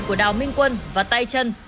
của đào minh quân và tây trân